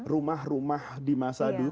rumah rumah di masa dulu